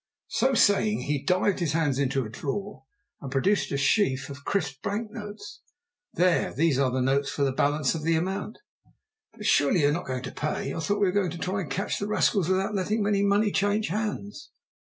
So saying, he dived his hand into a drawer and produced a sheaf of crisp bank notes. "There these are notes for the balance of the amount." "But you surely are not going to pay? I thought we were going to try to catch the rascals without letting any money change hands."